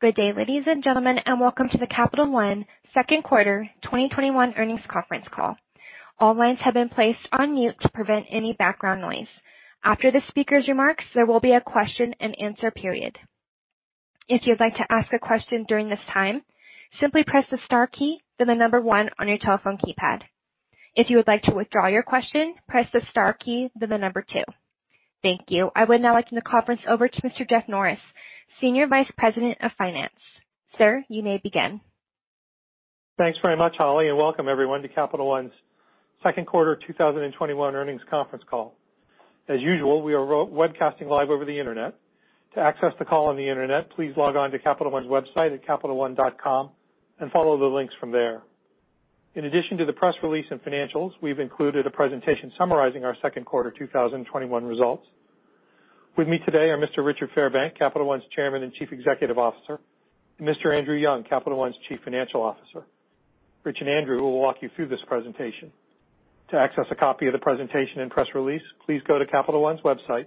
Good day, ladies and gentlemen, and welcome to the Capital One Second Quarter 2021 Earnings Conference Call. All lines have been placed on mute to prevent any background noise. After the speaker's remarks, there will be a question and answer period. If you would like to ask a question during this time, simply press the star key, then the number one on your telephone keypad. If you would like to withdraw your question, press the star key, then the number two. Thank you. I would now like to turn the conference over to Mr. Jeff Norris, Senior Vice President of Finance. Sir, you may begin. Thanks very much, Holly, and welcome everyone to Capital One's Second Quarter 2021 Earnings Conference Call. As usual, we are webcasting live over the internet. To access the call on the internet, please log on to capitalone.com and follow the links from there. In addition to the press release and financials, we've included a presentation summarizing our second quarter 2021 results. With me today are Mr. Richard Fairbank, Capital One's Chairman and Chief Executive Officer, and Mr. Andrew Young, Capital One's Chief Financial Officer. Rich and Andrew will walk you through this presentation. To access a copy of the presentation and press release, please go to Capital One's website,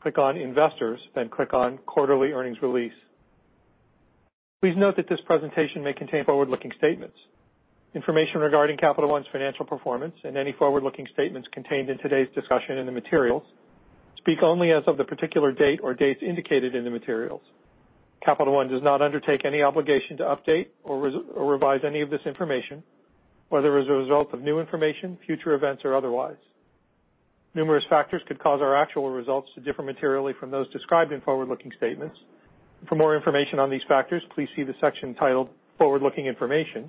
click on Investors, then click on Quarterly Earnings Release. Please note that this presentation may contain forward-looking statements. Information regarding Capital One's financial performance and any forward-looking statements contained in today's discussion and the materials speak only as of the particular date or dates indicated in the materials. Capital One does not undertake any obligation to update or revise any of this information, whether as a result of new information, future events, or otherwise. Numerous factors could cause our actual results to differ materially from those described in forward-looking statements. For more information on these factors, please see the section titled Forward-Looking Information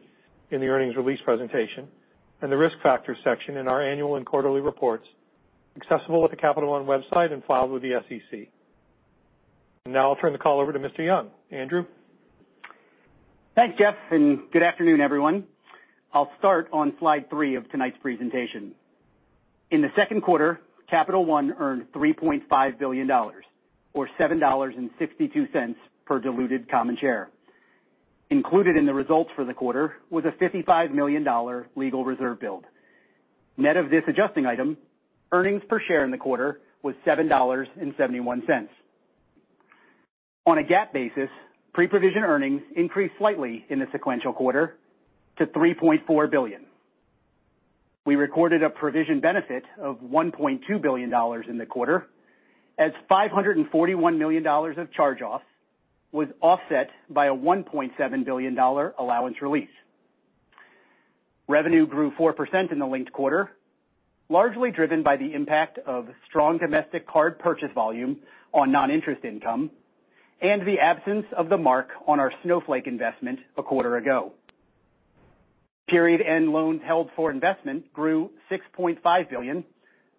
in the earnings release presentation and the Risk Factors section in our annual and quarterly reports, accessible at the Capital One website and filed with the SEC. Now I'll turn the call over to Mr. Young. Andrew? Thanks, Jeff, good afternoon, everyone. I'll start on slide three of tonight's presentation. In the second quarter, Capital One earned $3.5 billion, or $7.62 per diluted common share. Included in the results for the quarter was a $55 million legal reserve build. Net of this adjusting item, earnings per share in the quarter was $7.71. On a GAAP basis, pre-provision earnings increased slightly in the sequential quarter to $3.4 billion. We recorded a provision benefit of $1.2 billion in the quarter as $541 million of charge-offs was offset by a $1.7 billion allowance release. Revenue grew 4% in the linked quarter, largely driven by the impact of strong domestic card purchase volume on non-interest income and the absence of the mark on our Snowflake investment a quarter ago. Period-end loans held for investment grew $6.5 billion,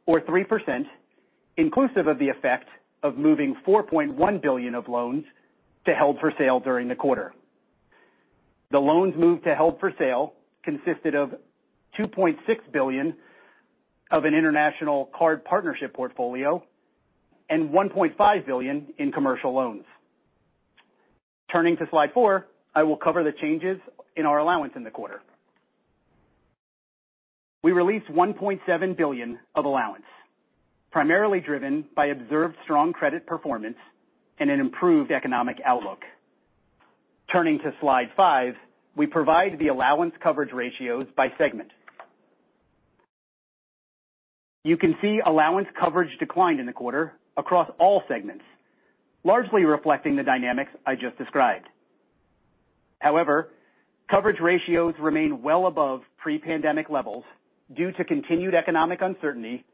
or 3%, inclusive of the effect of moving $4.1 billion of loans to held for sale during the quarter. The loans moved to held for sale consisted of $2.6 billion of an international card partnership portfolio and $1.5 billion in commercial loans. Turning to slide four, I will cover the changes in our allowance in the quarter. We released $1.7 billion of allowance, primarily driven by observed strong credit performance and an improved economic outlook. Turning to slide five, we provide the allowance coverage ratios by segment. You can see allowance coverage declined in the quarter across all segments, largely reflecting the dynamics I just described. However, coverage ratios remain well above pre-pandemic levels due to continued economic uncertainty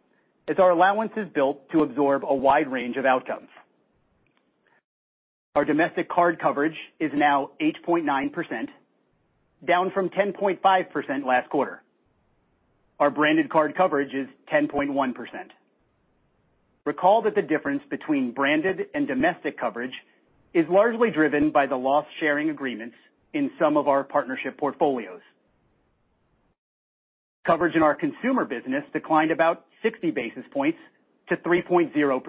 as our allowance is built to absorb a wide range of outcomes. Our domestic card coverage is now 8.9%, down from 10.5% last quarter. Our branded card coverage is 10.1%. Recall that the difference between branded and domestic coverage is largely driven by the loss sharing agreements in some of our partnership portfolios. Coverage in our consumer business declined about 60 basis points to 3.0%.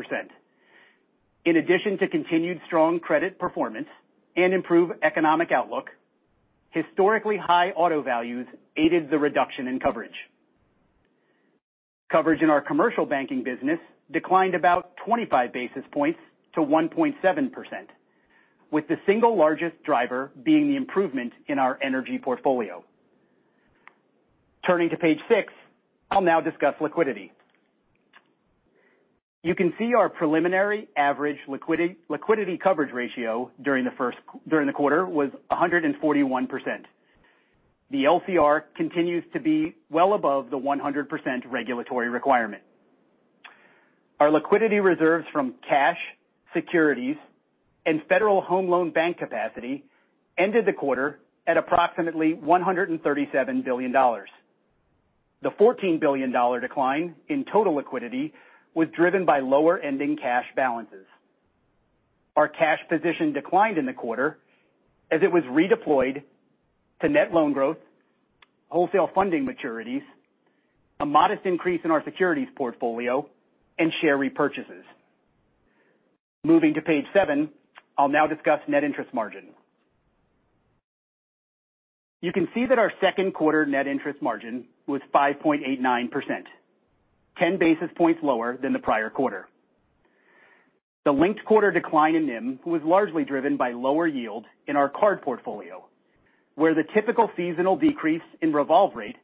In addition to continued strong credit performance and improved economic outlook, historically high auto values aided the reduction in coverage. Coverage in our commercial banking business declined about 25 basis points to 1.7%, with the single largest driver being the improvement in our energy portfolio. Turning to page six, I'll now discuss liquidity. You can see our preliminary average liquidity coverage ratio during the quarter was 141%. The LCR continues to be well above the 100% regulatory requirement. Our liquidity reserves from cash, securities, and Federal Home Loan Bank capacity ended the quarter at approximately $137 billion. The $14 billion decline in total liquidity was driven by lower ending cash balances. Our cash position declined in the quarter as it was redeployed to net loan growth, wholesale funding maturities, a modest increase in our securities portfolio, and share repurchases. Moving to page seven, I'll now discuss net interest margin. You can see that our second quarter net interest margin was 5.89%, 10 basis points lower than the prior quarter. The linked-quarter decline in NIM was largely driven by lower yields in our card portfolio, where the typical seasonal decrease in revolve rate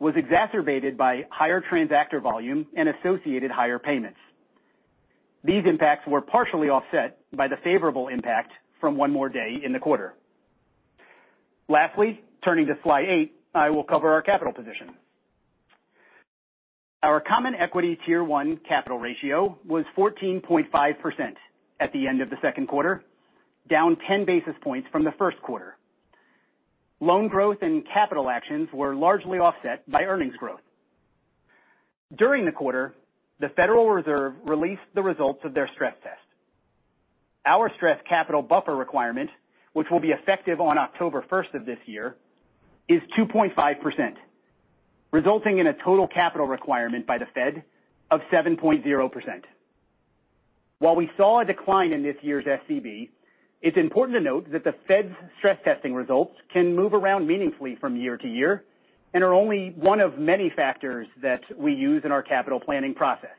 was exacerbated by higher transactor volume and associated higher payments. These impacts were partially offset by the favorable impact from one more day in the quarter. Lastly, turning to slide eight, I will cover our capital position. Our Common Equity Tier 1 capital ratio was 14.5% at the end of the second quarter, down 10 basis points from the first quarter. Loan growth and capital actions were largely offset by earnings growth. During the quarter, the Federal Reserve released the results of their stress test. Our stress capital buffer requirement, which will be effective on October 1st of this year, is 2.5%, resulting in a total capital requirement by the Fed of 7.0%. While we saw a decline in this year's SCB, it's important to note that the Fed's stress testing results can move around meaningfully from year to year and are only one of many factors that we use in our capital planning process.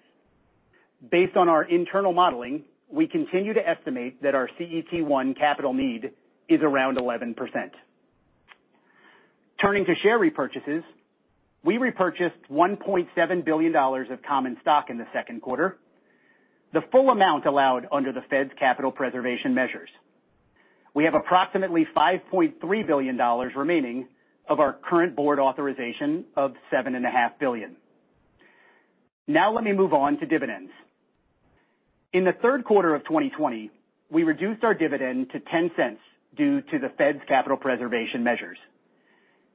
Based on our internal modeling, we continue to estimate that our CET1 capital need is around 11%. Turning to share repurchases, we repurchased $1.7 billion of common stock in the second quarter, the full amount allowed under the Fed's capital preservation measures. We have approximately $5.3 billion remaining of our current board authorization of $7.5 billion. Now, let me move on to dividends. In the third quarter of 2020, we reduced our dividend to $0.10 due to the Fed's capital preservation measures.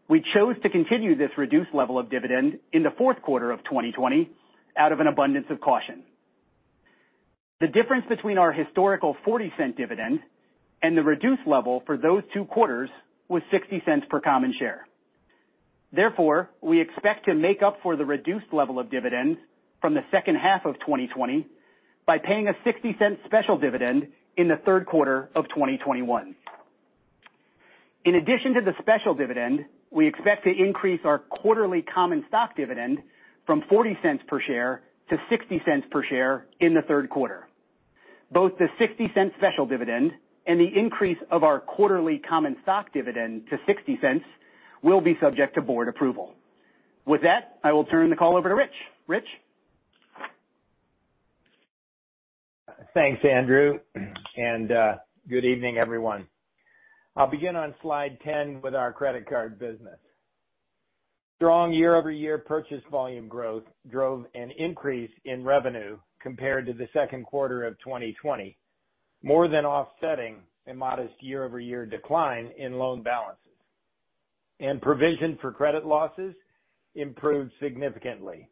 We chose to continue this reduced level of dividend in the fourth quarter of 2020 out of an abundance of caution. The difference between our historical $0.40 dividend and the reduced level for those two quarters was $0.60 per common share. Therefore, we expect to make up for the reduced level of dividends from the second half of 2020 by paying a $0.60 special dividend in the third quarter of 2021. In addition to the special dividend, we expect to increase our quarterly common stock dividend from $0.40 per share to $0.60 per share in the third quarter. Both the $0.60 special dividend and the increase of our quarterly common stock dividend to $0.60 will be subject to board approval. With that, I will turn the call over to Rich. Rich? Thanks, Andrew, and good evening, everyone. I'll begin on slide 10 with our credit card business. Strong year-over-year purchase volume growth drove an increase in revenue compared to the second quarter of 2020, more than offsetting a modest year-over-year decline in loan balances. Provision for credit losses improved significantly.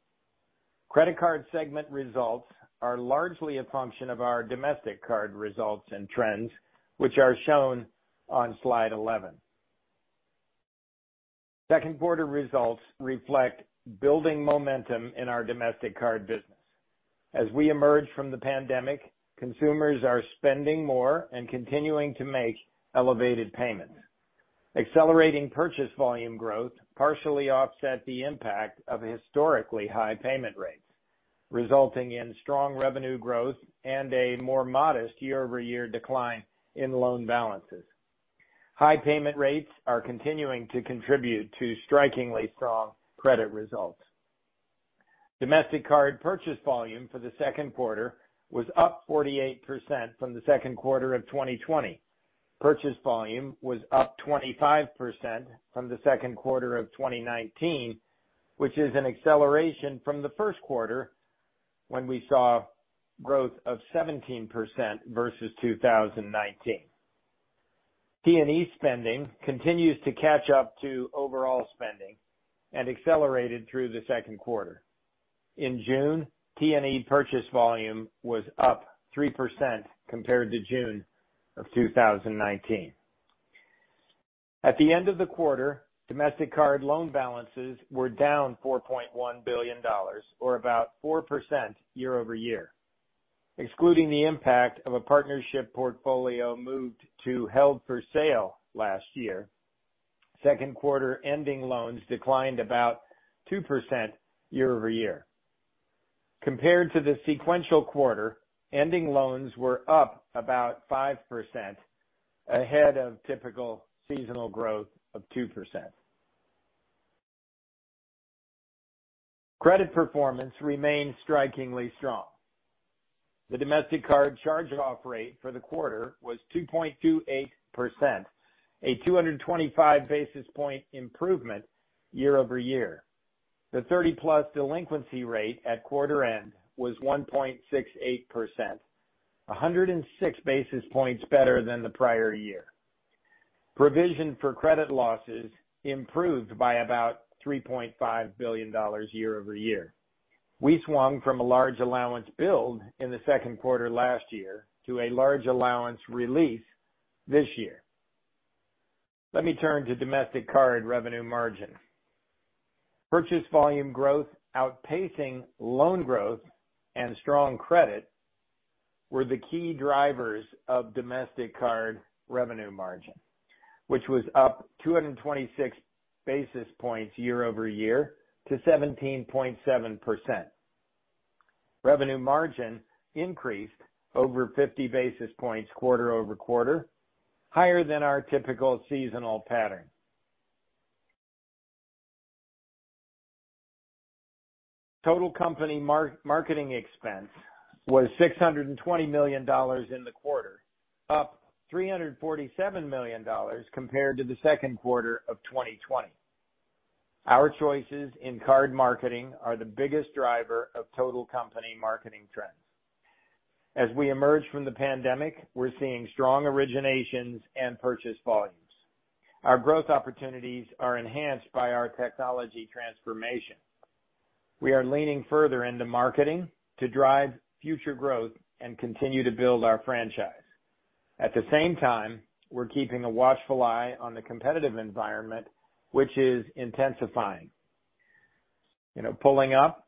Credit card segment results are largely a function of our domestic card results and trends, which are shown on slide 11. Second quarter results reflect building momentum in our domestic card business. As we emerge from the pandemic, consumers are spending more and continuing to make elevated payments. Accelerating purchase volume growth partially offset the impact of historically high payment rates, resulting in strong revenue growth and a more modest year-over-year decline in loan balances. High payment rates are continuing to contribute to strikingly strong credit results. Domestic card purchase volume for the second quarter was up 48% from the second quarter of 2020. Purchase volume was up 25% from the second quarter of 2019, which is an acceleration from the first quarter, when we saw growth of 17% versus 2019. T&E spending continues to catch up to overall spending and accelerated through the second quarter. In June, T&E purchase volume was up 3% compared to June of 2019. At the end of the quarter, domestic card loan balances were down $4.1 billion, or about 4% year-over-year. Excluding the impact of a partnership portfolio moved to held for sale last year, second quarter ending loans declined about 2% year-over-year. Compared to the sequential quarter, ending loans were up about 5%, ahead of typical seasonal growth of 2%. Credit performance remained strikingly strong. The domestic card charge-off rate for the quarter was 2.28%, a 225 basis point improvement year-over-year. The 30+ delinquency rate at quarter end was 1.68%, 106 basis points better than the prior year. Provision for credit losses improved by about $3.5 billion year-over-year. We swung from a large allowance build in the second quarter last year to a large allowance release this year. Let me turn to domestic card revenue margin. Purchase volume growth outpacing loan growth and strong credit were the key drivers of domestic card revenue margin, which was up 226 basis points year-over-year to 17.7%. Revenue margin increased over 50 basis points quarter-over-quarter, higher than our typical seasonal pattern. Total company marketing expense was $620 million in the quarter, up $347 million compared to the second quarter of 2020. Our choices in card marketing are the biggest driver of total company marketing trends. As we emerge from the pandemic, we're seeing strong originations and purchase volumes. Our growth opportunities are enhanced by our technology transformation. We are leaning further into marketing to drive future growth and continue to build our franchise. At the same time, we're keeping a watchful eye on the competitive environment, which is intensifying. Pulling up,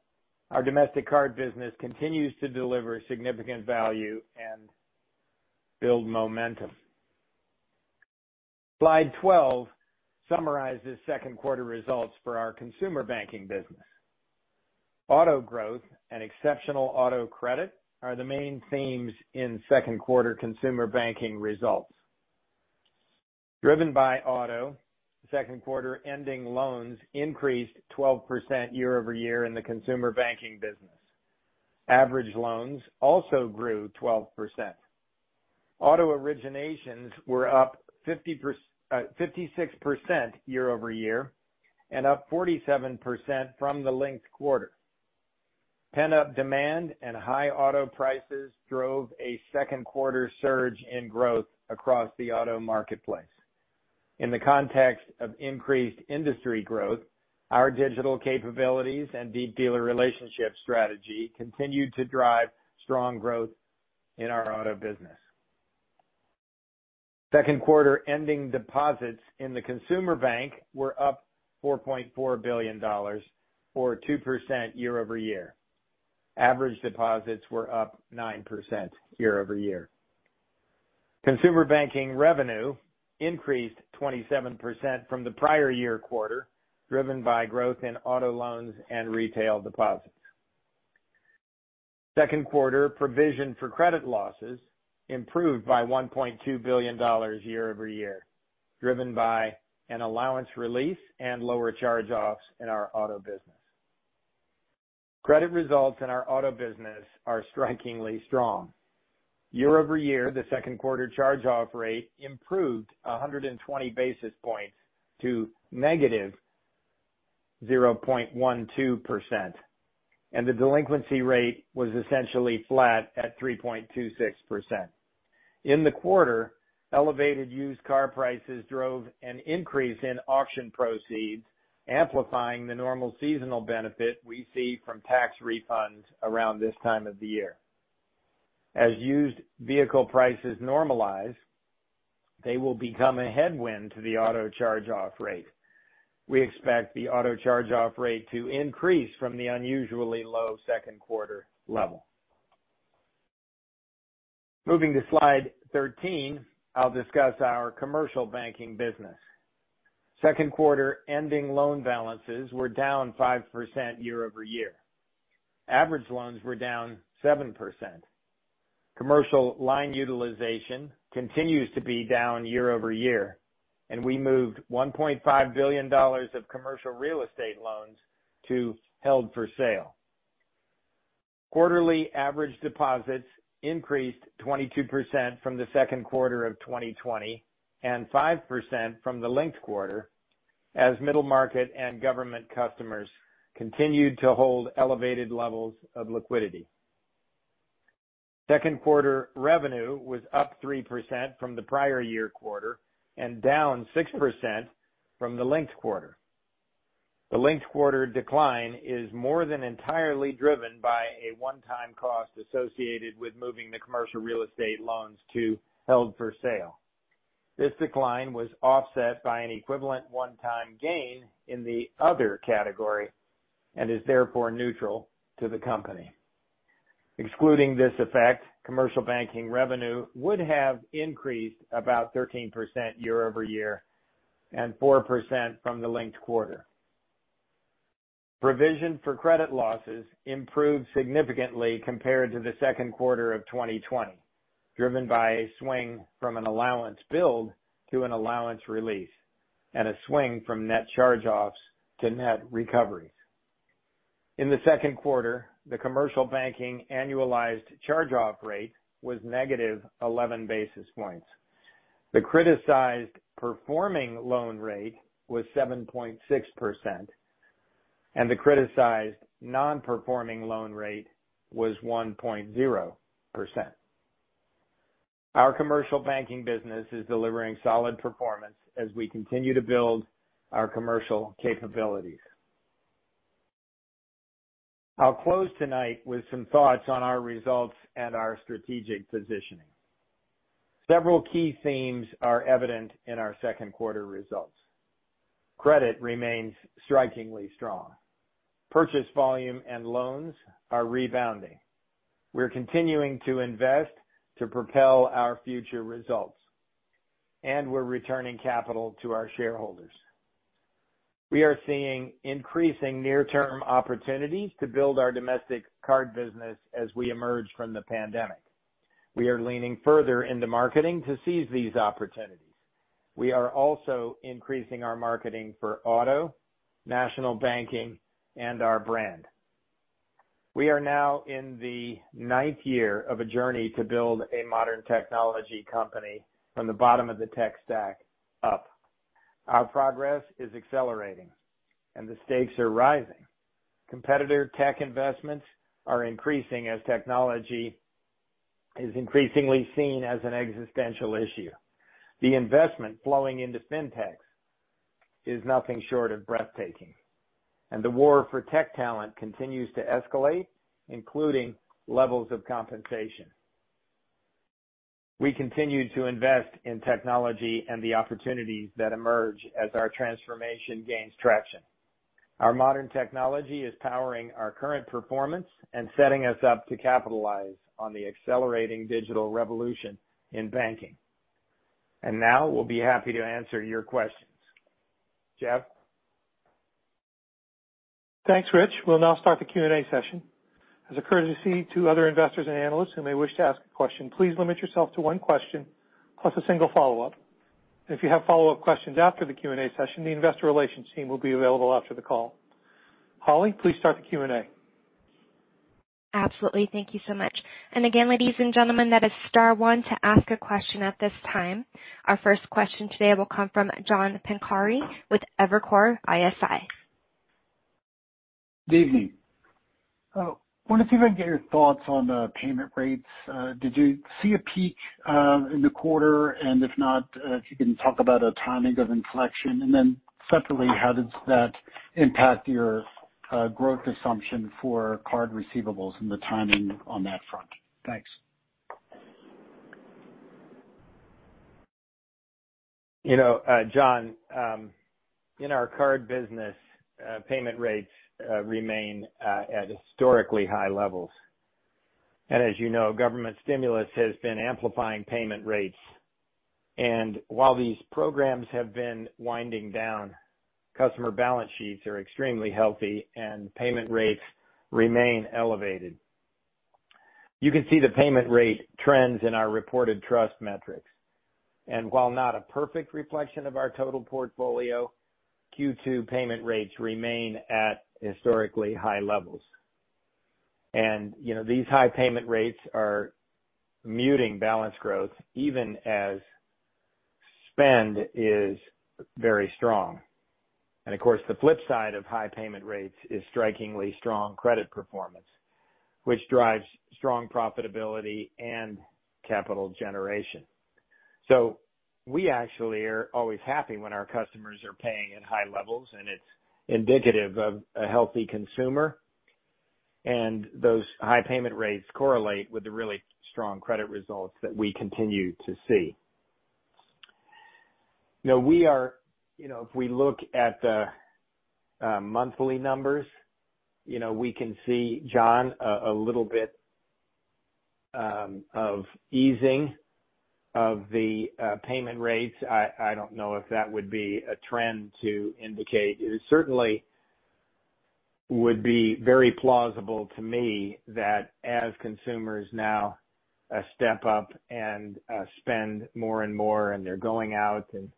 our domestic card business continues to deliver significant value and build momentum. Slide 12 summarizes second quarter results for our consumer banking business. Auto growth and exceptional auto credit are the main themes in second quarter consumer banking results. Driven by auto, second quarter ending loans increased 12% year-over-year in the consumer banking business. Average loans also grew 12%. Auto originations were up 56% year-over-year and up 47% from the linked quarter. Pent-up demand and high auto prices drove a second quarter surge in growth across the auto marketplace. In the context of increased industry growth, our digital capabilities and deep dealer relationship strategy continued to drive strong growth in our auto business. Second quarter ending deposits in the consumer bank were up $4.4 billion, or 2% year-over-year. Average deposits were up 9% year-over-year. Consumer banking revenue increased 27% from the prior year quarter, driven by growth in auto loans and retail deposits. Second quarter provision for credit losses improved by $1.2 billion year-over-year, driven by an allowance release and lower charge-offs in our auto business. Credit results in our auto business are strikingly strong. Year-over-year, the second quarter charge-off rate improved 120 basis points to -0.12%, and the delinquency rate was essentially flat at 3.26%. In the quarter, elevated used car prices drove an increase in auction proceeds, amplifying the normal seasonal benefit we see from tax refunds around this time of the year. As used vehicle prices normalize, they will become a headwind to the auto charge-off rate. We expect the auto charge-off rate to increase from the unusually low second quarter level. Moving to slide 13, I'll discuss our commercial banking business. Second quarter ending loan balances were down 5% year-over-year. Average loans were down 7%. Commercial line utilization continues to be down year-over-year, and we moved $1.5 billion of commercial real estate loans to held for sale. Quarterly average deposits increased 22% from the second quarter of 2020 and 5% from the linked quarter, as middle market and government customers continued to hold elevated levels of liquidity. Second quarter revenue was up 3% from the prior year quarter and down 6% from the linked quarter. The linked quarter decline is more than entirely driven by a one-time cost associated with moving the commercial real estate loans to held for sale. This decline was offset by an equivalent one-time gain in the other category and is therefore neutral to the company. Excluding this effect, commercial banking revenue would have increased about 13% year-over-year and 4% from the linked quarter. Provision for credit losses improved significantly compared to the second quarter of 2020, driven by a swing from an allowance build to an allowance release and a swing from net charge-offs to net recoveries. In the second quarter, the commercial banking annualized charge-off rate was -11 basis points. The criticized performing loan rate was 7.6%, and the criticized non-performing loan rate was 1.0%. Our commercial banking business is delivering solid performance as we continue to build our commercial capabilities. I'll close tonight with some thoughts on our results and our strategic positioning. Several key themes are evident in our second quarter results. Credit remains strikingly strong. Purchase volume and loans are rebounding. We're continuing to invest to propel our future results. We're returning capital to our shareholders. We are seeing increasing near-term opportunities to build our domestic card business as we emerge from the pandemic. We are leaning further into marketing to seize these opportunities. We are also increasing our marketing for auto, national banking, and our brand. We are now in the ninth year of a journey to build a modern technology company from the bottom of the tech stack up. Our progress is accelerating. The stakes are rising. Competitor tech investments are increasing as technology is increasingly seen as an existential issue. The investment flowing into FinTechs is nothing short of breathtaking, and the war for tech talent continues to escalate, including levels of compensation. We continue to invest in technology and the opportunities that emerge as our transformation gains traction. Our modern technology is powering our current performance and setting us up to capitalize on the accelerating digital revolution in banking. Now we'll be happy to answer your questions. Jeff? Thanks, Rich. We'll now start the Q&A session. As a courtesy to other investors and analysts who may wish to ask a question, please limit yourself to one question plus a single follow-up. If you have follow-up questions after the Q&A session, the investor relations team will be available after the call. Holly, please start the Q&A. Absolutely. Thank you so much. Again, ladies and gentlemen, that is star one to ask a question at this time. Our first question today will come from John Pancari with Evercore ISI. Good evening. I wanted to get your thoughts on the payment rates. Did you see a peak in the quarter? If not, if you can talk about a timing of inflection. Separately, how does that impact your growth assumption for card receivables and the timing on that front? Thanks. John, in our card business, payment rates remain at historically high levels. As you know, government stimulus has been amplifying payment rates. While these programs have been winding down, customer balance sheets are extremely healthy and payment rates remain elevated. You can see the payment rate trends in our reported trust metrics. While not a perfect reflection of our total portfolio, Q2 payment rates remain at historically high levels. These high payment rates are muting balance growth even as spend is very strong. Of course, the flip side of high payment rates is strikingly strong credit performance, which drives strong profitability and capital generation. We actually are always happy when our customers are paying at high levels, and it's indicative of a healthy consumer. Those high payment rates correlate with the really strong credit results that we continue to see. If we look at the monthly numbers, we can see, John, a little bit of easing of the payment rates. I don't know if that would be a trend to indicate. It certainly would be very plausible to me that as consumers now step up and spend more and more, and they're going out and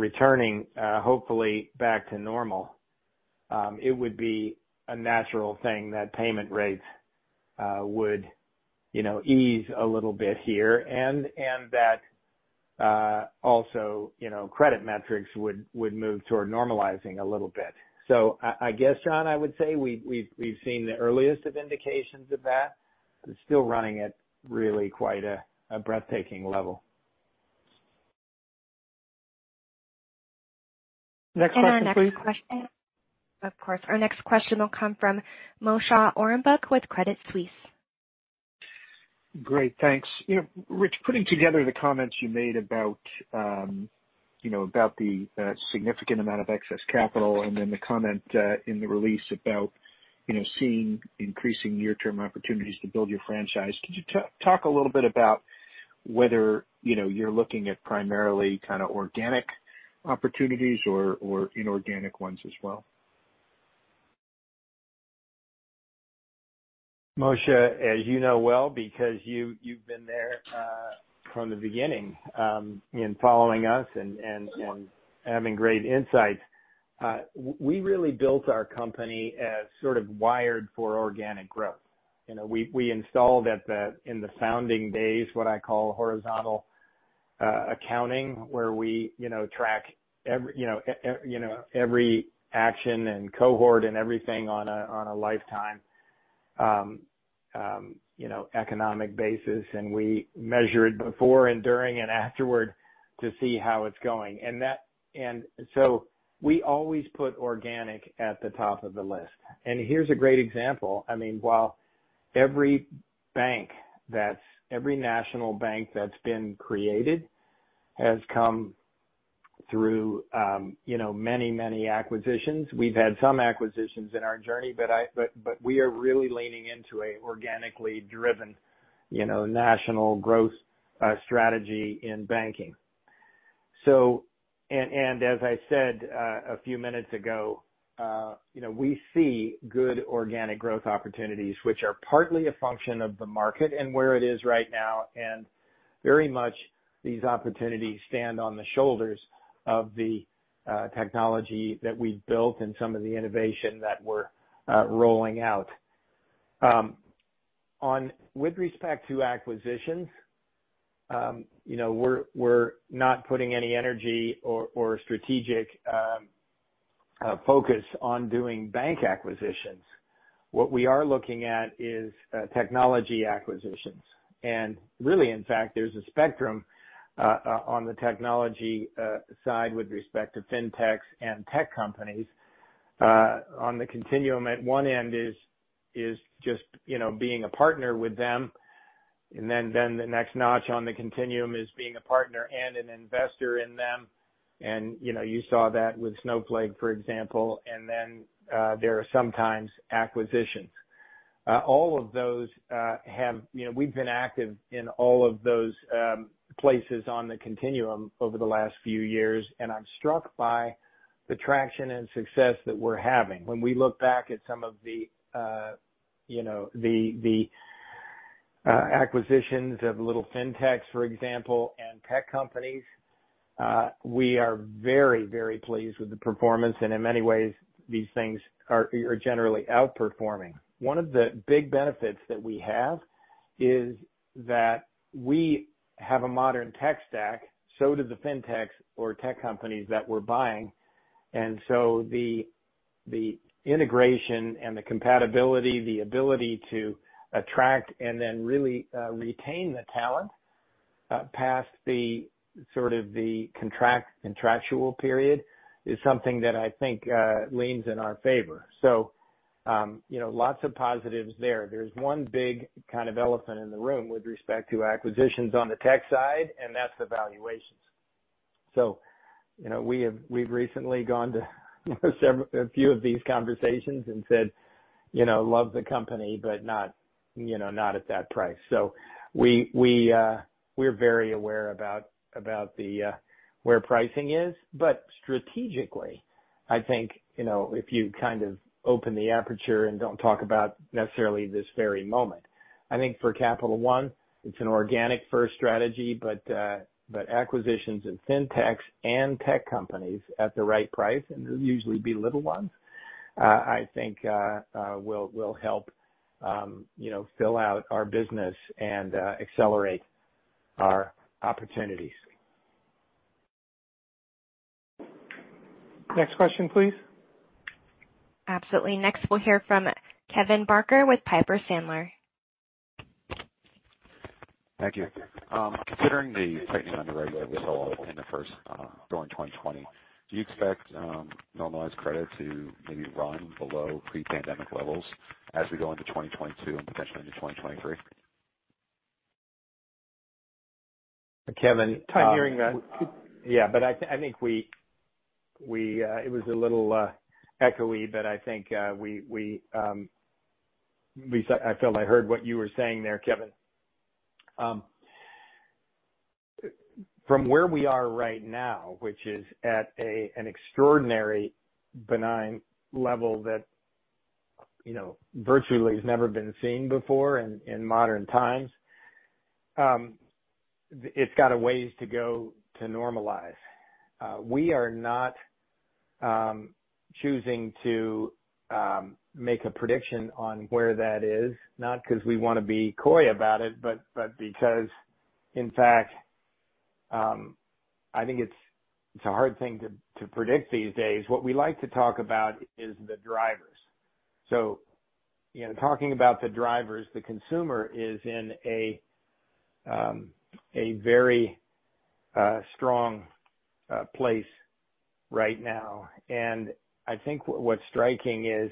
returning hopefully back to normal, it would be a natural thing that payment rates would ease a little bit here and that also credit metrics would move toward normalizing a little bit. I guess, John, I would say we've seen the earliest of indications of that. It's still running at really quite a breathtaking level. Next question, please. Of course. Our next question will come from Moshe Orenbuch with Credit Suisse. Great. Thanks. Rich, putting together the comments you made about the significant amount of excess capital, and then the comment in the release about seeing increasing near-term opportunities to build your franchise, could you talk a little bit about whether you're looking at primarily organic opportunities or inorganic ones as well? Moshe, as you know well because you've been there from the beginning in following us and having great insights, we really built our company as sort of wired for organic growth. We installed in the founding days, what I call horizontal accounting, where we track every action and cohort and everything on a lifetime economic basis. We measure it before and during and afterward to see how it's going. We always put organic at the top of the list. Here's a great example. While every national bank that's been created has come through many acquisitions. We've had some acquisitions in our journey, but we are really leaning into an organically driven national growth strategy in banking. As I said a few minutes ago, we see good organic growth opportunities, which are partly a function of the market and where it is right now. Very much these opportunities stand on the shoulders of the technology that we've built and some of the innovation that we're rolling out. With respect to acquisitions, we're not putting any energy or strategic focus on doing bank acquisitions. What we are looking at is technology acquisitions. Really, in fact, there's a spectrum on the technology side with respect to FinTechs and tech companies. On the continuum, at one end is just being a partner with them. The next notch on the continuum is being a partner and an investor in them. You saw that with Snowflake, for example. There are sometimes acquisitions. We've been active in all of those places on the continuum over the last few years, and I'm struck by the traction and success that we're having. When we look back at some of the acquisitions of little FinTechs, for example, and tech companies, we are very pleased with the performance. In many ways, these things are generally outperforming. One of the big benefits that we have is that we have a modern tech stack. Do the FinTechs or tech companies that we're buying. The integration and the compatibility, the ability to attract and then really retain the talent past the sort of the contractual period is something that I think leans in our favor. Lots of positives there. There's one big kind of elephant in the room with respect to acquisitions on the tech side, and that's the valuations. We've recently gone to a few of these conversations and said, "Love the company, but not at that price." We're very aware about where pricing is. Strategically, I think, if you kind of open the aperture and don't talk about necessarily this very moment. I think for Capital One, it's an organic first strategy. Acquisitions in FinTechs and tech companies at the right price, and they'll usually be little ones, I think will help fill out our business and accelerate our opportunities. Next question, please. Absolutely. Next, we'll hear from Kevin Barker with Piper Sandler. Thank you. Considering the tightening on the regulatory side in the [first going] 2020, do you expect normalized credit to maybe run below pre-pandemic levels as we go into 2022 and potentially into 2023? Kevin- Time hearing that. Yeah. It was a little echoey, but I felt I heard what you were saying there, Kevin. From where we are right now, which is at an extraordinary benign level that virtually has never been seen before in modern times. It's got a ways to go to normalize. We are not choosing to make a prediction on where that is, not because we want to be coy about it, but because, in fact, I think it's a hard thing to predict these days. What we like to talk about is the drivers. Talking about the drivers, the consumer is in a very strong place right now. I think what's striking is,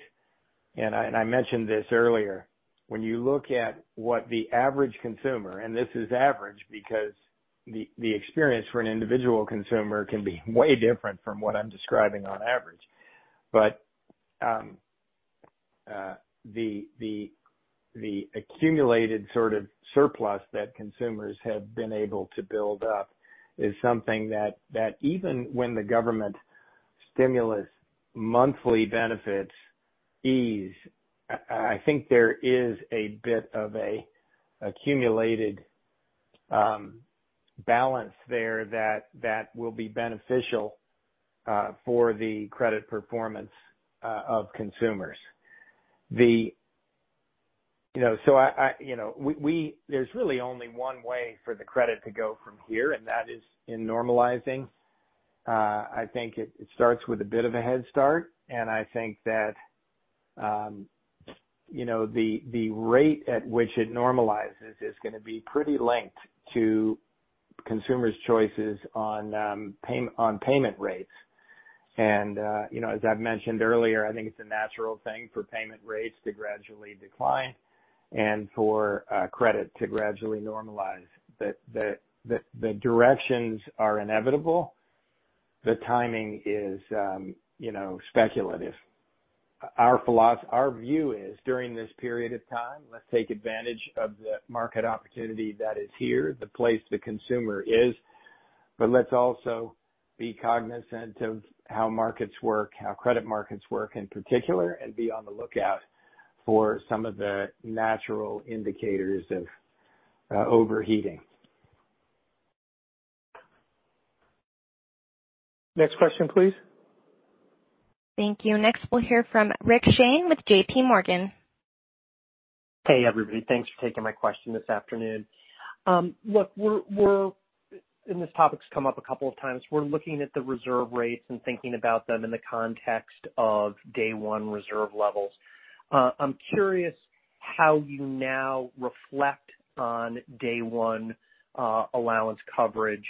and I mentioned this earlier. When you look at what the average consumer, and this is average because the experience for an individual consumer can be way different from what I'm describing on average. The accumulated sort of surplus that consumers have been able to build up is something that even when the government stimulus monthly benefits ease, I think there is a bit of an accumulated balance there that will be beneficial for the credit performance of consumers. There's really only one way for the credit to go from here, and that is in normalizing. I think it starts with a bit of a headstart, and I think that the rate at which it normalizes is going to be pretty linked to consumers' choices on payment rates. As I've mentioned earlier, I think it's a natural thing for payment rates to gradually decline and for credit to gradually normalize. The directions are inevitable. The timing is speculative. Our view is, during this period of time, let's take advantage of the market opportunity that is here, the place the consumer is. Let's also be cognizant of how markets work, how credit markets work in particular, and be on the lookout for some of the natural indicators of overheating. Next question, please. Thank you. Next, we'll hear from Rick Shane with JPMorgan. Hey, everybody. Thanks for taking my question this afternoon. Look, this topic's come up a couple of times, we're looking at the reserve rates and thinking about them in the context of day one reserve levels. I'm curious how you now reflect on day one allowance coverage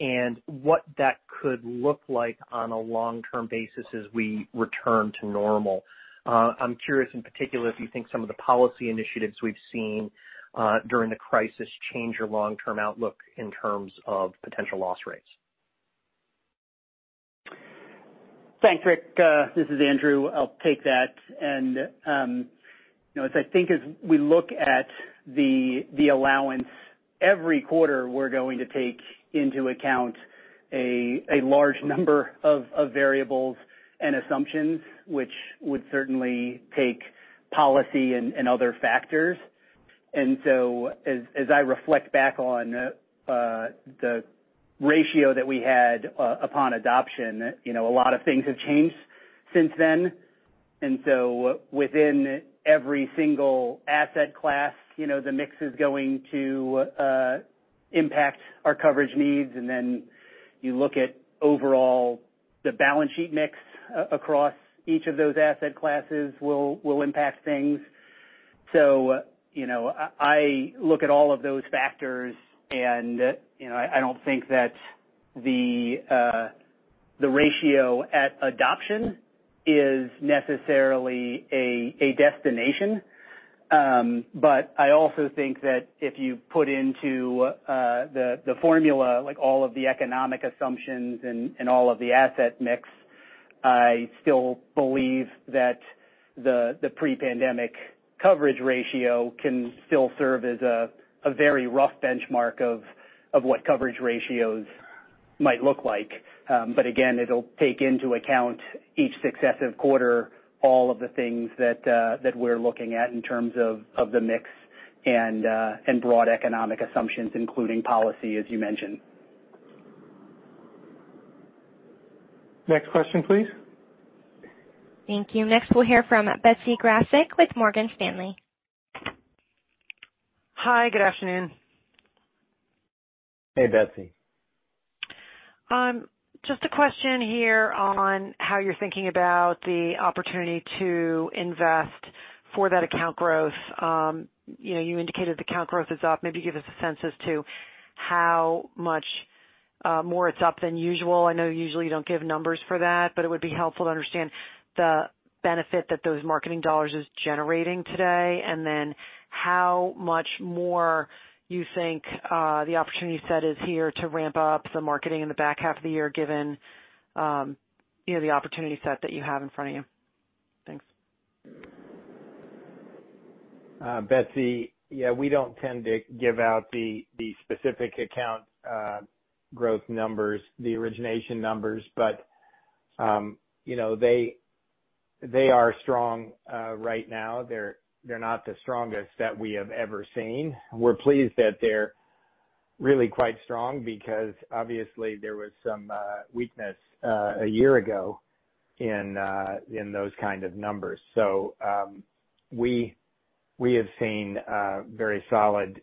and what that could look like on a long-term basis as we return to normal. I'm curious in particular if you think some of the policy initiatives we've seen during the crisis change your long-term outlook in terms of potential loss rates. Thanks, Rick. This is Andrew. I'll take that. As I think as we look at the allowance every quarter, we're going to take into account a large number of variables and assumptions, which would certainly take policy and other factors. As I reflect back on the ratio that we had upon adoption, a lot of things have changed since then. Within every single asset class, the mix is going to impact our coverage needs. You look at overall the balance sheet mix across each of those asset classes will impact things. I look at all of those factors, and I don't think that the ratio at adoption is necessarily a destination. I also think that if you put into the formula, all of the economic assumptions and all of the asset mix, I still believe that the pre-pandemic coverage ratio can still serve as a very rough benchmark of what coverage ratios might look like. Again, it'll take into account each successive quarter, all of the things that we're looking at in terms of the mix and broad economic assumptions, including policy, as you mentioned. Next question, please. Thank you. Next, we'll hear from Betsy Graseck with Morgan Stanley. Hi. Good afternoon. Hey, Betsy. A question here on how you're thinking about the opportunity to invest for that account growth. You indicated account growth is up. Maybe give us a sense as to how much more it's up than usual. I know usually you don't give numbers for that, but it would be helpful to understand the benefit that those marketing dollars is generating today, and then how much more you think the opportunity set is here to ramp up the marketing in the back half of the year, given the opportunity set that you have in front of you. Thanks. Betsy. Yeah, we don't tend to give out the specific account growth numbers, the origination numbers. They are strong right now. They're not the strongest that we have ever seen. We're pleased that they're really quite strong because obviously there was some weakness a year ago in those kind of numbers. We have seen very solid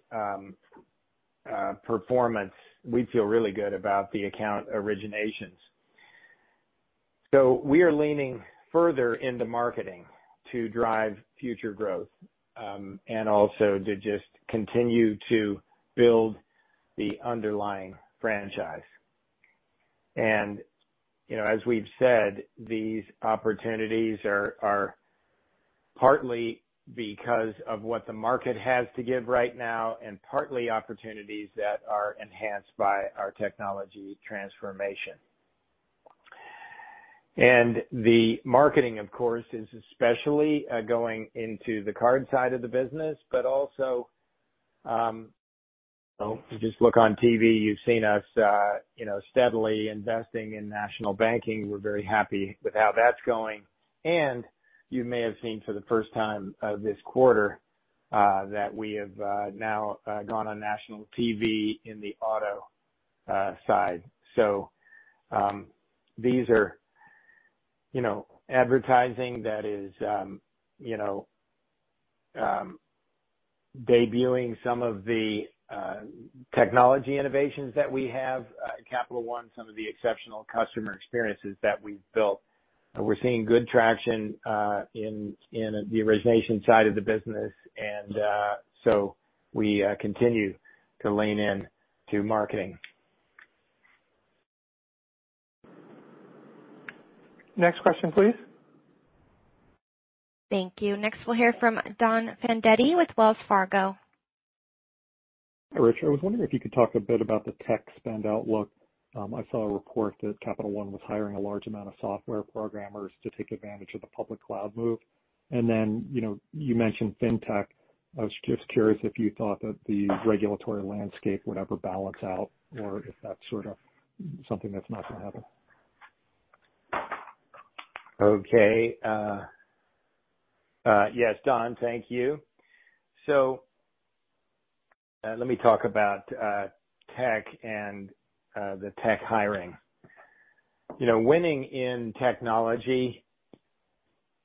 performance. We feel really good about the account originations. We are leaning further into marketing to drive future growth. Also to just continue to build the underlying franchise. As we've said, these opportunities are partly because of what the market has to give right now and partly opportunities that are enhanced by our technology transformation. The marketing, of course, is especially going into the card side of the business. Also, if you just look on TV, you've seen us steadily investing in national banking. We're very happy with how that's going. You may have seen for the first time this quarter that we have now gone on national TV in the auto side. These are advertising that is debuting some of the technology innovations that we have at Capital One, some of the exceptional customer experiences that we've built. We're seeing good traction in the origination side of the business. We continue to lean in to marketing. Next question, please. Thank you. Next, we'll hear from Don Fandetti with Wells Fargo. Hi, Rich. I was wondering if you could talk a bit about the tech spend outlook. I saw a report that Capital One was hiring a large amount of software programmers to take advantage of the public cloud move. Then you mentioned FinTech. I was just curious if you thought that the regulatory landscape would ever balance out or if that's something that's not going to happen. Okay. Yes, Don. Thank you. Let me talk about tech and the tech hiring. Winning in technology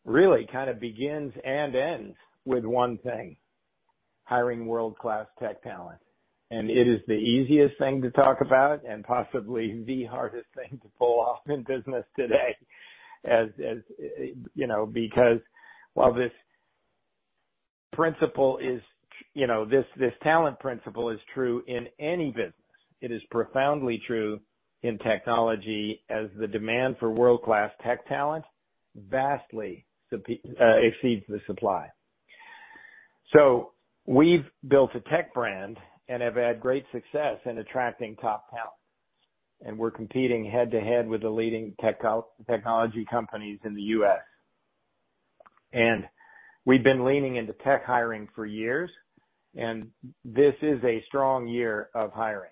really kind of begins and ends with one thing. Hiring world-class tech talent. It is the easiest thing to talk about and possibly the hardest thing to pull off in business today. Because while this talent principle is true in any business, it is profoundly true in technology as the demand for world-class tech talent vastly exceeds the supply. We've built a tech brand and have had great success in attracting top talent. We're competing head-to-head with the leading technology companies in the U.S. We've been leaning into tech hiring for years, and this is a strong year of hiring.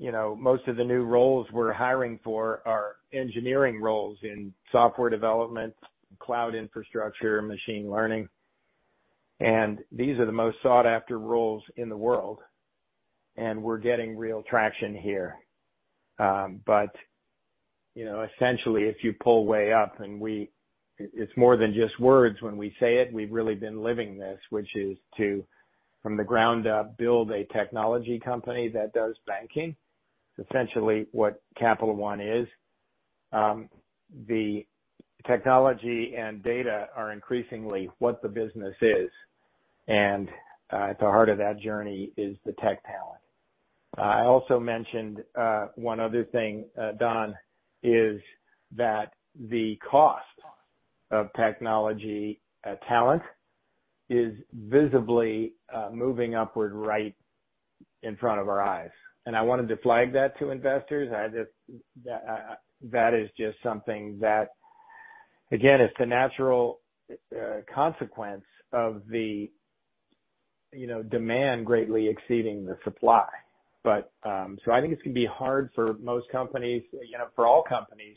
Most of the new roles we're hiring for are engineering roles in software development, cloud infrastructure, machine learning. These are the most sought-after roles in the world, and we're getting real traction here. Essentially, if you pull way up and it's more than just words when we say it, we've really been living this, which is to, from the ground up, build a technology company that does banking. Essentially what Capital One is. The technology and data are increasingly what the business is. At the heart of that journey is the tech talent. I also mentioned one other thing, Don, is that the cost of technology talent is visibly moving upward right in front of our eyes. I wanted to flag that to investors. That is just something that, again, it's the natural consequence of the demand greatly exceeding the supply. I think it's going to be hard for most companies, for all companies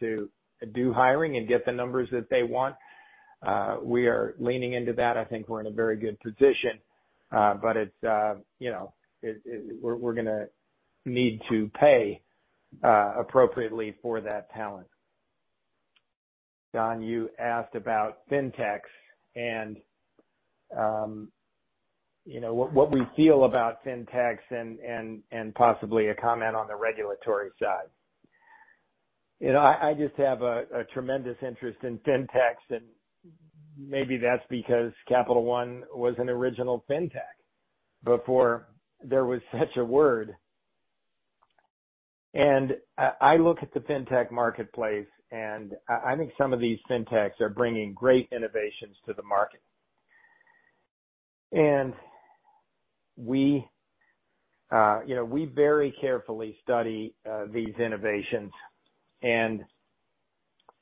to do hiring and get the numbers that they want. We are leaning into that. I think we're in a very good position. We're going to need to pay appropriately for that talent. Don, you asked about FinTechs and what we feel about FinTechs and possibly a comment on the regulatory side. I just have a tremendous interest in FinTechs, and maybe that's because Capital One was an original FinTech before there was such a word. I look at the FinTech marketplace, and I think some of these FinTechs are bringing great innovations to the market. We very carefully study these innovations.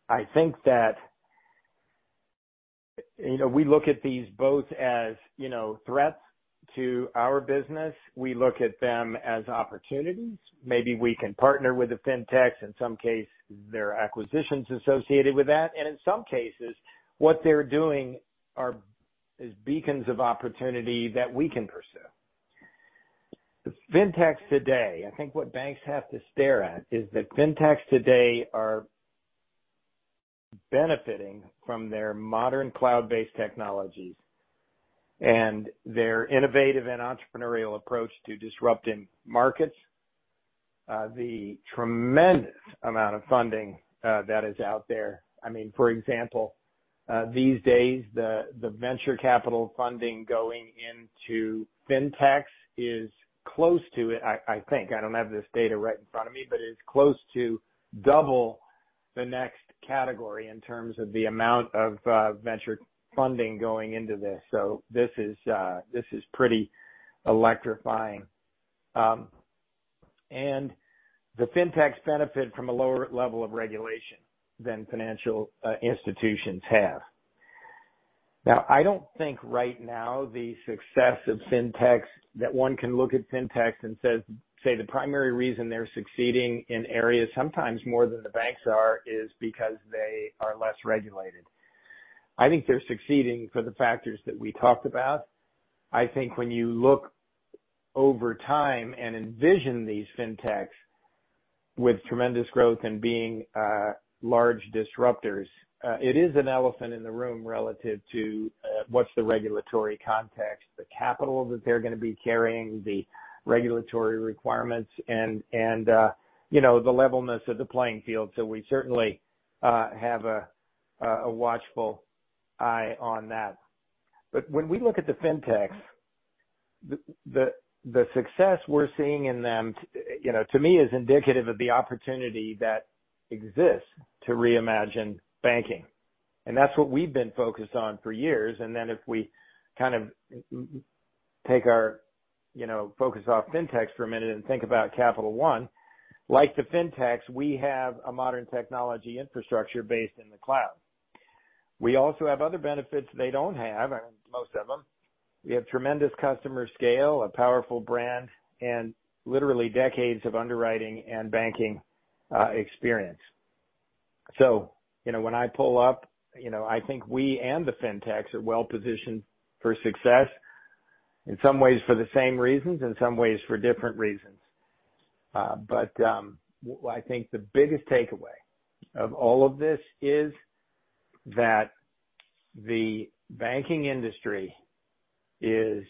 I think that we look at these both as threats to our business. We look at them as opportunities. Maybe we can partner with the FinTechs. In some cases, there are acquisitions associated with that. In some cases, what they're doing is beacons of opportunity that we can pursue. The FinTechs today, I think what banks have to stare at is that FinTechs today are benefiting from their modern cloud-based technologies and their innovative and entrepreneurial approach to disrupting markets. The tremendous amount of funding that is out there. For example, these days, the venture capital funding going into FinTechs is close to, I think, I don't have this data right in front of me, but it's close to double the next category in terms of the amount of venture funding going into this. This is pretty electrifying. The FinTechs benefit from a lower level of regulation than financial institutions have. I don't think right now the success of FinTechs that one can look at FinTechs and say the primary reason they're succeeding in areas, sometimes more than the banks are, is because they are less regulated. I think they're succeeding for the factors that we talked about. I think when you look over time and envision these FinTechs with tremendous growth and being large disruptors, it is an elephant in the room relative to what's the regulatory context, the capital that they're going to be carrying, the regulatory requirements, and the levelness of the playing field. We certainly have a watchful eye on that. When we look at the FinTechs, the success we're seeing in them, to me, is indicative of the opportunity that exists to reimagine banking. That's what we've been focused on for years. If we kind of take our focus off FinTechs for a minute and think about Capital One, like the FinTechs, we have a modern technology infrastructure based in the cloud. We also have other benefits they don't have, and most of them. We have tremendous customer scale, a powerful brand, and literally decades of underwriting and banking experience. When I pull up, I think we and the FinTechs are well positioned for success. In some ways for the same reasons, in some ways for different reasons. I think the biggest takeaway of all of this is that the banking industry is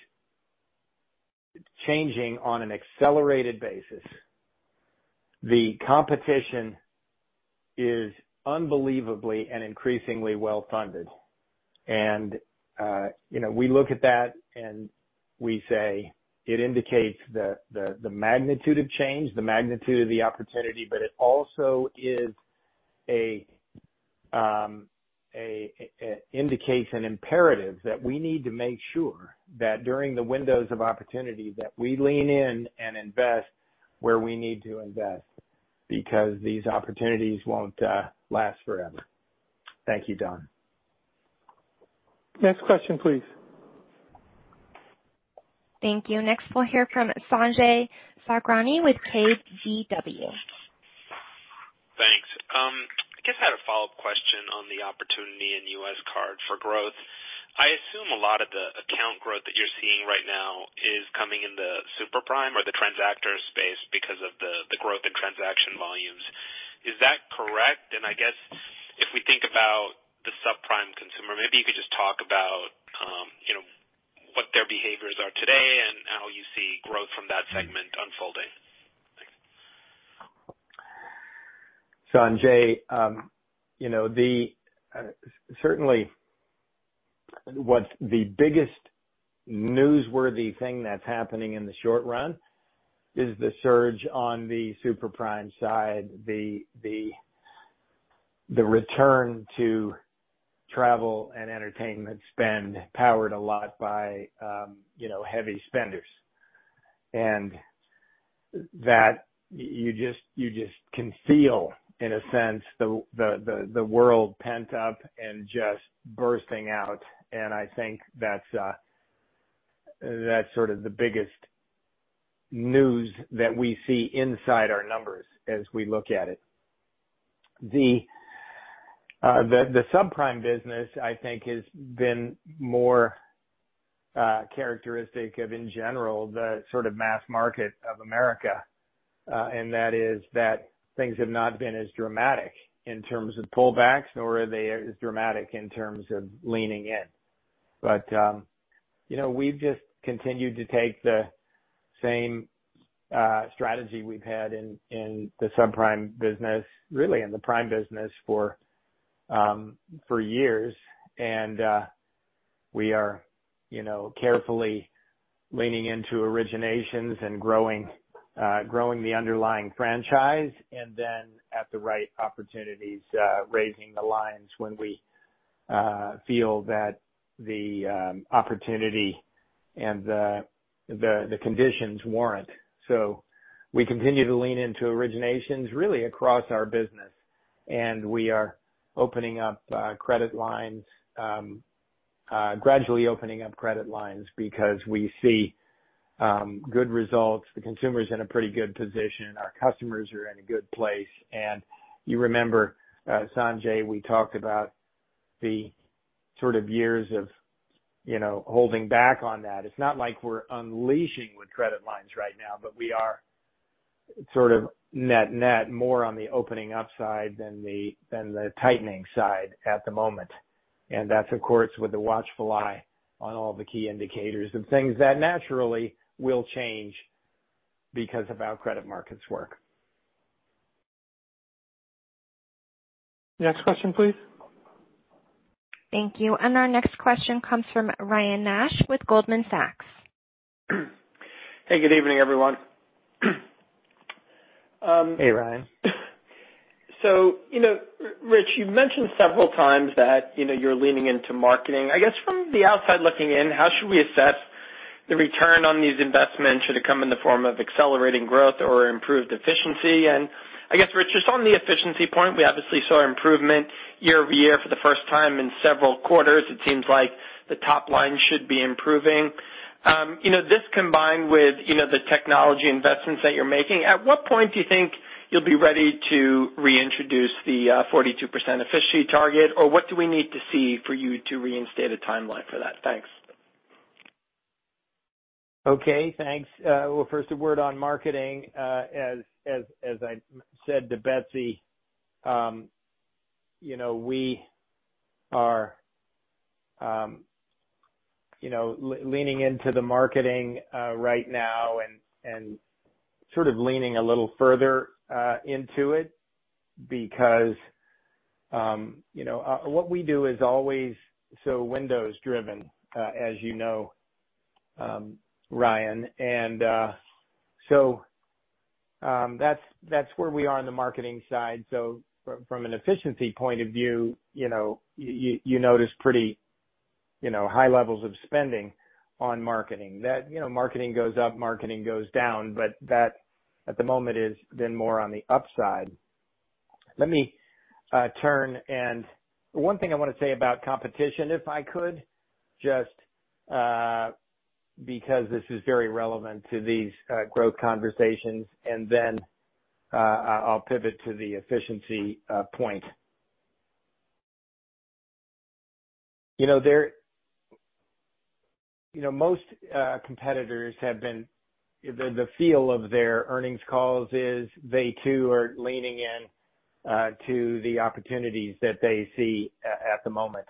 changing on an accelerated basis. The competition is unbelievably and increasingly well-funded. We look at that and we say it indicates the magnitude of change, the magnitude of the opportunity, but it also indicates an imperative that we need to make sure that during the windows of opportunity, that we lean in and invest where we need to invest, because these opportunities won't last forever. Thank you, Don. Next question, please. Thank you. Next, we'll hear from Sanjay Sakhrani with KBW. Thanks. I guess I had a follow-up question on the opportunity in U.S. card for growth. I assume a lot of the account growth that you're seeing right now is coming in the super-prime or the transactor space because of the growth in transaction volumes. Is that correct? I guess if we think about the sub-prime consumer, maybe you could just talk about what their behaviors are today and how you see growth from that segment unfolding. Thanks. Sanjay, certainly, what the biggest newsworthy thing that's happening in the short run is the surge on the super-prime side, the return to travel and entertainment spend powered a lot by heavy spenders. That you just can feel, in a sense, the world pent up and just bursting out. I think that's sort of the biggest news that we see inside our numbers as we look at it. The sub-prime business, I think, has been more characteristic of, in general, the sort of mass market of America. That is that things have not been as dramatic in terms of pullbacks, nor are they as dramatic in terms of leaning in. We've just continued to take the same strategy we've had in the sub-prime business, really in the prime business for years. We are carefully leaning into originations and growing the underlying franchise, and then at the right opportunities, raising the lines when we feel that the opportunity and the conditions warrant. We continue to lean into originations really across our business. We are gradually opening up credit lines because we see good results. The consumer is in a pretty good position. Our customers are in a good place. You remember, Sanjay, we talked about the sort of years of holding back on that. It's not like we're unleashing with credit lines right now, but we are sort of net-net more on the opening up side than the tightening side at the moment. That's of course with a watchful eye on all the key indicators and things that naturally will change because of how credit markets work. Next question, please. Thank you. Our next question comes from Ryan Nash with Goldman Sachs. Hey, good evening, everyone. Hey, Ryan. Rich, you've mentioned several times that you're leaning into marketing. From the outside looking in, how should we assess the return on these investments? Should it come in the form of accelerating growth or improved efficiency? Rich, just on the efficiency point, we obviously saw improvement year-over-year for the first time in several quarters. It seems like the top line should be improving. This combined with the technology investments that you're making, at what point do you think you'll be ready to reintroduce the 42% efficiency target? What do we need to see for you to reinstate a timeline for that? Thanks. Okay, thanks. Well, first a word on marketing. As I said to Betsy, we are leaning into the marketing right now and sort of leaning a little further into it because what we do is always so windows-driven, as you know, Ryan. That's where we are on the marketing side. From an efficiency point of view, you notice pretty high levels of spending on marketing. That marketing goes up, marketing goes down, but that at the moment is been more on the upside. Let me turn, and one thing I want to say about competition, if I could, just because this is very relevant to these growth conversations, and then I'll pivot to the efficiency point. Most competitors, the feel of their earnings calls is they too are leaning in to the opportunities that they see at the moment.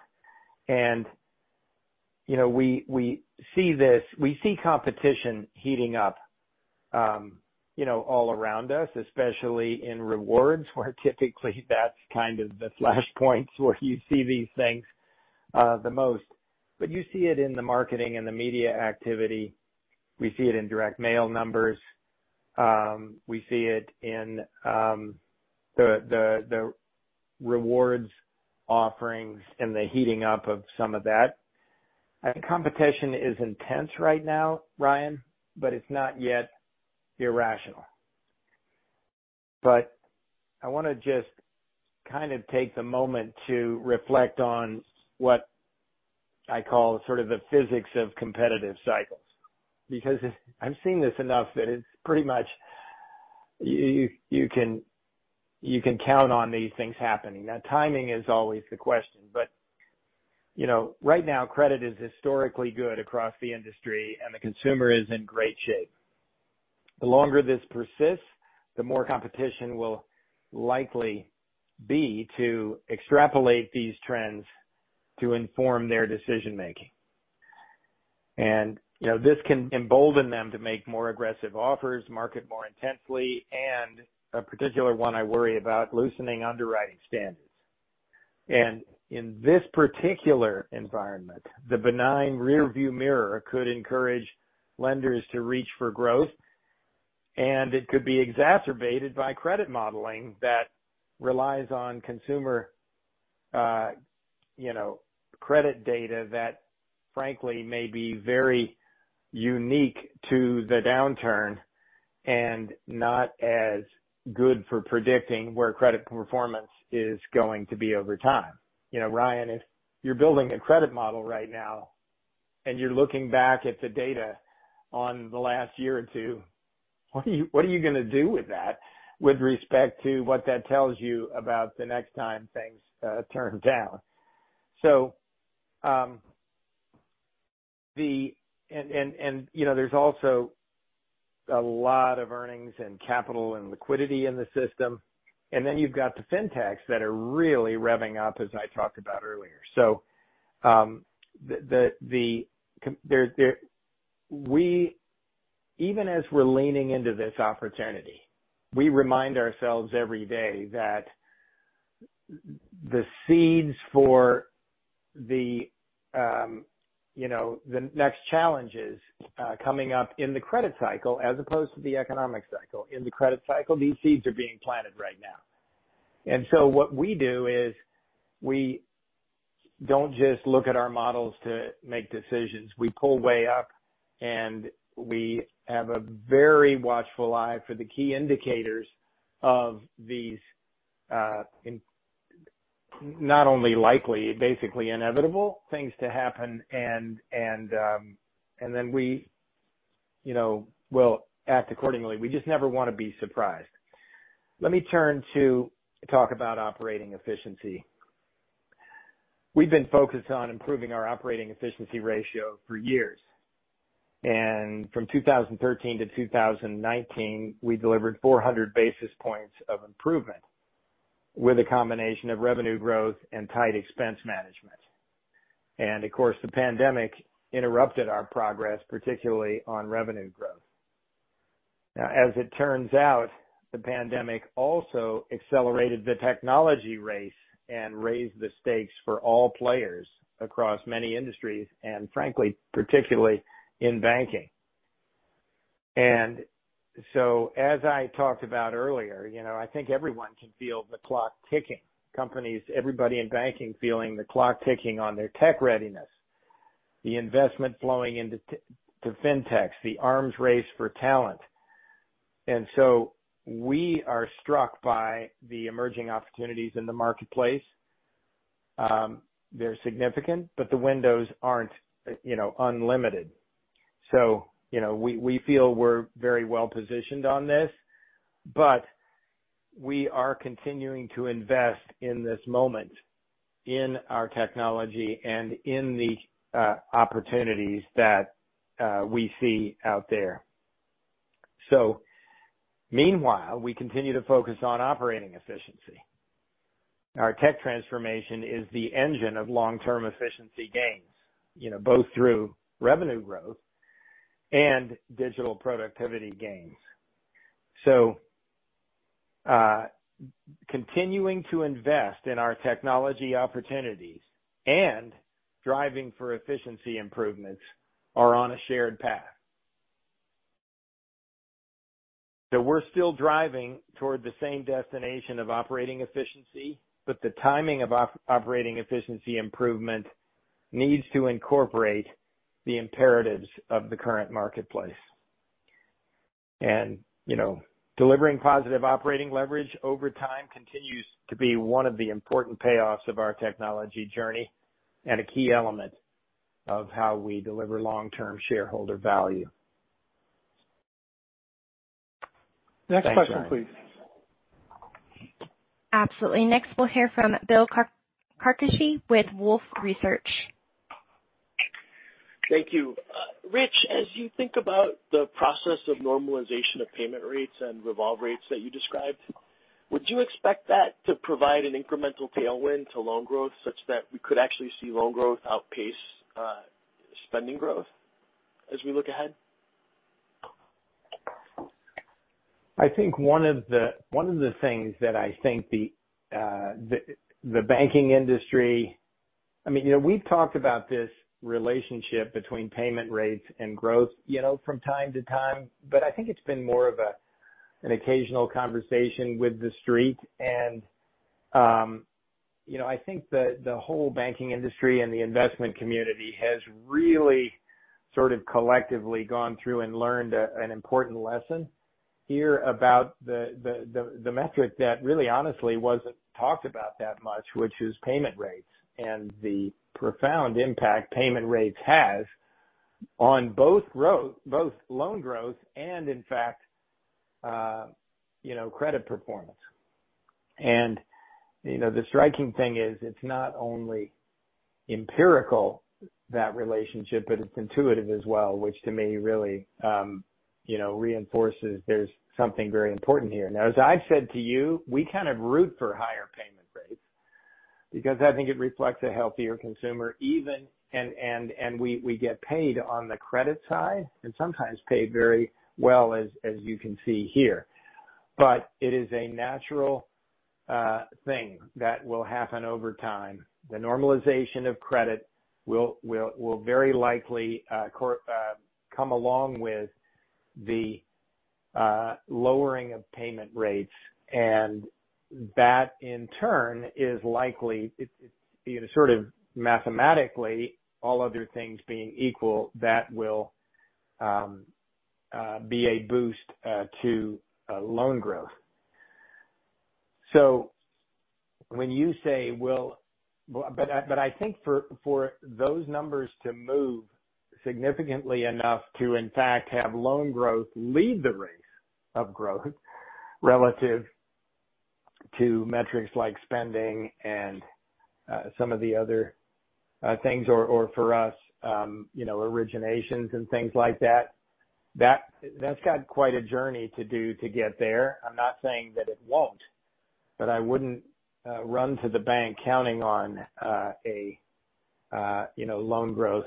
We see competition heating up all around us, especially in rewards, where typically that's kind of the flashpoints where you see these things the most. You see it in the marketing and the media activity. We see it in direct mail numbers. We see it in the rewards offerings and the heating up of some of that. I think competition is intense right now, Ryan, but it's not yet irrational. I want to just kind of take the moment to reflect on what I call sort of the physics of competitive cycles. I've seen this enough that it's pretty much you can count on these things happening. Timing is always the question. Right now credit is historically good across the industry, and the consumer is in great shape. The longer this persists, the more competition will likely be to extrapolate these trends to inform their decision-making. This can embolden them to make more aggressive offers, market more intensely, and a particular one I worry about, loosening underwriting standards. In this particular environment, the benign rearview mirror could encourage lenders to reach for growth, and it could be exacerbated by credit modeling that relies on consumer credit data that frankly may be very unique to the downturn and not as good for predicting where credit performance is going to be over time. Ryan, if you're building a credit model right now and you're looking back at the data on the last year or two, what are you going to do with that, with respect to what that tells you about the next time things turn down? There's also a lot of earnings and capital and liquidity in the system. You've got the FinTechs that are really revving up, as I talked about earlier. Even as we're leaning into this opportunity, we remind ourselves every day that the seeds for the next challenges are coming up in the credit cycle as opposed to the economic cycle. In the credit cycle, these seeds are being planted right now. What we do is we don't just look at our models to make decisions. We pull way up, and we have a very watchful eye for the key indicators of these not only likely, basically inevitable things to happen. We will act accordingly. We just never want to be surprised. Let me turn to talk about operating efficiency. We've been focused on improving our operating efficiency ratio for years. From 2013 to 2019, we delivered 400 basis points of improvement with a combination of revenue growth and tight expense management. Of course, the pandemic interrupted our progress, particularly on revenue growth. Now, as it turns out, the pandemic also accelerated the technology race and raised the stakes for all players across many industries, and frankly, particularly in banking. As I talked about earlier, I think everyone can feel the clock ticking. Companies, everybody in banking feeling the clock ticking on their tech readiness, the investment flowing into FinTechs, the arms race for talent. We are struck by the emerging opportunities in the marketplace. They're significant, but the windows aren't unlimited. We feel we're very well-positioned on this. We are continuing to invest in this moment in our technology and in the opportunities that we see out there. Meanwhile, we continue to focus on operating efficiency. Our tech transformation is the engine of long-term efficiency gains, both through revenue growth and digital productivity gains. Continuing to invest in our technology opportunities and driving for efficiency improvements are on a shared path. We're still driving toward the same destination of operating efficiency, but the timing of operating efficiency improvement needs to incorporate the imperatives of the current marketplace. Delivering positive operating leverage over time continues to be one of the important payoffs of our technology journey and a key element of how we deliver long-term shareholder value. Next question, please. Absolutely. Next, we'll hear from Bill Carcache with Wolfe Research. Thank you. Rich, as you think about the process of normalization of payment rates and revolve rates that you described, would you expect that to provide an incremental tailwind to loan growth such that we could actually see loan growth outpace spending growth as we look ahead? I think one of the things that I think the banking industry we've talked about this relationship between payment rates and growth from time to time, but I think it's been more of an occasional conversation with the street. I think that the whole banking industry and the investment community has really sort of collectively gone through and learned an important lesson here about the metric that really honestly wasn't talked about that much, which is payment rates, and the profound impact payment rates has on both loan growth and in fact credit performance. The striking thing is, it's not only empirical, that relationship, but it's intuitive as well, which to me really reinforces there's something very important here. As I've said to you, we kind of root for higher payment rates because I think it reflects a healthier consumer even, and we get paid on the credit side and sometimes paid very well as you can see here. It is a natural thing that will happen over time. The normalization of credit will very likely come along with the lowering of payment rates, and that in turn is likely, sort of mathematically, all other things being equal, that will be a boost to loan growth. I think for those numbers to move significantly enough to in fact have loan growth lead the race of growth relative to metrics like spending and some of the other things or for us, originations and things like that's got quite a journey to do to get there. I'm not saying that it won't, but I wouldn't run to the bank counting on a loan growth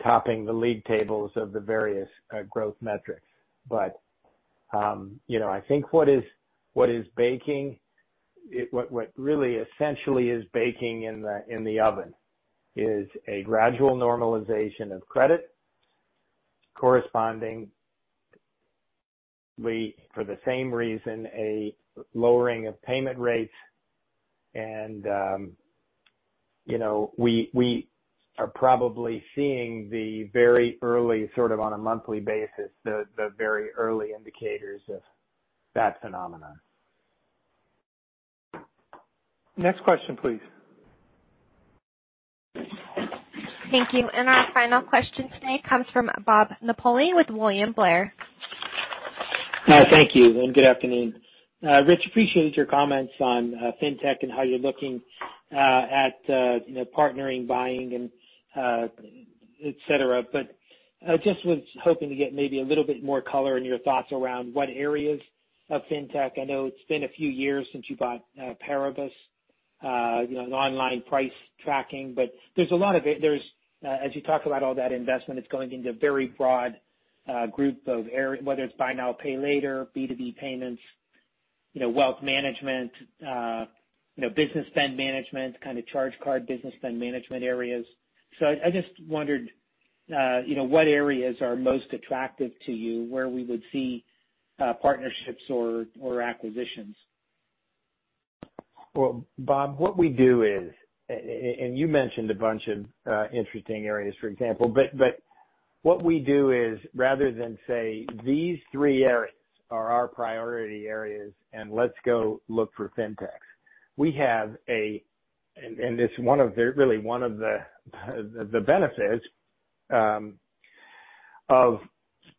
topping the league tables of the various growth metrics. I think what really essentially is baking in the oven is a gradual normalization of credit correspondingly for the same reason, a lowering of payment rates. We are probably seeing the very early, sort of on a monthly basis, the very early indicators of that phenomenon. Next question, please. Thank you. Our final question today comes from Bob Napoli with William Blair. Thank you, and good afternoon. Rich, appreciate your comments on FinTech and how you're looking at partnering, buying, et cetera. I just was hoping to get maybe a little bit more color on your thoughts around what areas of FinTech. I know it's been a few years since you bought Paribus, an online price tracking. As you talk about all that investment, it's going into a very broad group of areas, whether it's buy now, pay later, B2B payments, wealth management, business spend management, kind of charge card business spend management areas. I just wondered what areas are most attractive to you where we would see partnerships or acquisitions. Well, Bob, what we do is, and you mentioned a bunch of interesting areas, for example. What we do is, rather than say, "These three areas are our priority areas, and let's go look for FinTechs," we have, and this is really one of the benefits of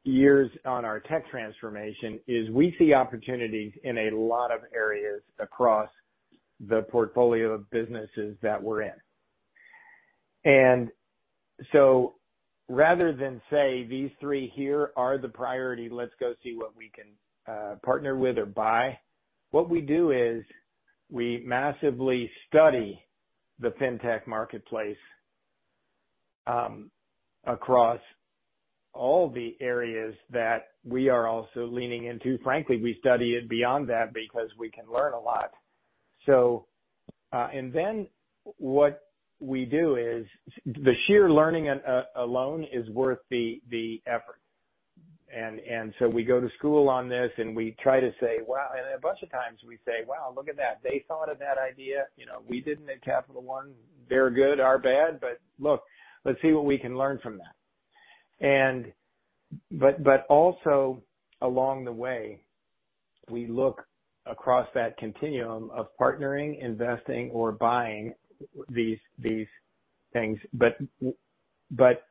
years on our tech transformation is we see opportunities in a lot of areas across the portfolio of businesses that we're in. Rather than say, "These three here are the priority, let's go see what we can partner with or buy," what we do is we massively study the FinTech marketplace across all the areas that we are also leaning into. Frankly, we study it beyond that because we can learn a lot. What we do is, the sheer learning alone is worth the effort. We go to school on this and a bunch of times we say, "Wow, look at that. They thought of that idea. We didn't at Capital One. Their good, our bad. Look, let's see what we can learn from that." Also along the way, we look across that continuum of partnering, investing, or buying these things.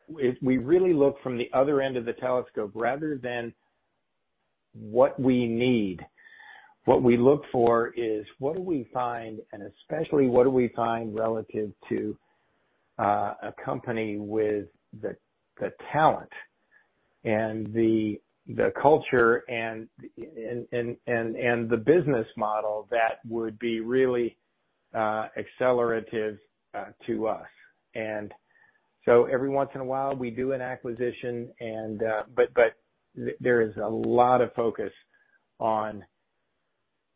If we really look from the other end of the telescope, rather than what we need, what we look for is what do we find, and especially what do we find relative to a company with the talent and the culture and the business model that would be really accelerative to us. Every once in a while, we do an acquisition. There is a lot of focus on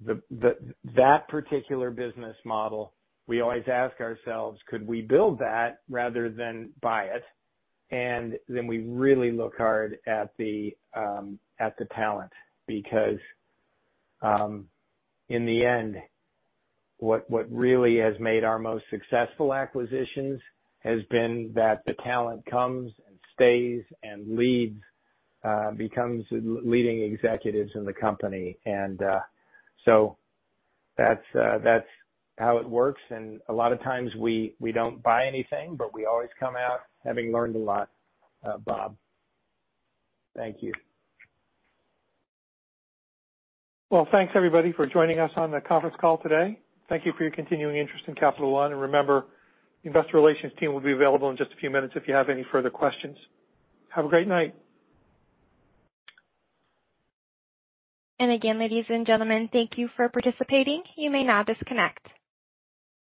that particular business model. We always ask ourselves, could we build that rather than buy it? We really look hard at the talent because in the end, what really has made our most successful acquisitions has been that the talent comes and stays and leads, becomes leading executives in the company. That's how it works. A lot of times we don't buy anything, but we always come out having learned a lot, Bob. Thank you. Well, thanks everybody for joining us on the conference call today. Thank you for your continuing interest in Capital One. Remember, the investor relations team will be available in just a few minutes if you have any further questions. Have a great night. Again, ladies and gentlemen, thank you for participating. You may now disconnect.